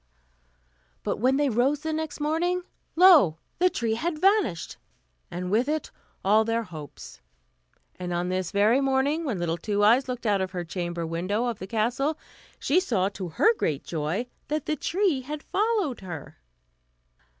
But when they rose the next morning, lo! the tree had vanished, and with it all their hopes. And on this very morning, when little Two Eyes looked out of her chamber window of the castle, she saw, to her great joy, that the tree had followed her.